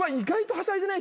はしゃいでない。